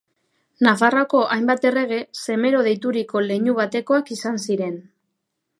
Nafarroako hainbat errege Semero deituriko leinu batekoak izan ziren.